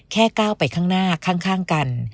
ก้าวไปข้างหน้าข้างกัน